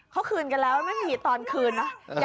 เขาคืนกันแล้วไม่มีตอนคืนนะ